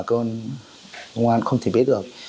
công an không thể biết được